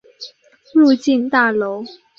入境大楼